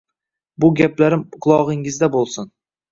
Shu gaplarim qulog’ingizda bo’lsin.